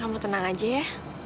kamu tenang aja ya